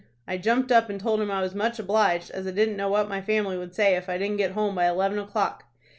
"I jumped up and told him I was much obliged, as I didn't know what my family would say if I didn't get home by eleven o'clock.